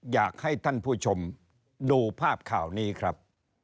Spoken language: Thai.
อยากให้ท่านผู้ชมดูภาพข่าวนี้ครับ